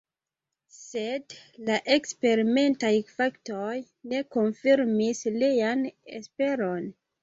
Sed la eksperimentaj faktoj ne konfirmis lian esperon.